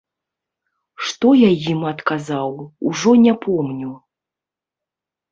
Што я ім адказаў, ужо не помню.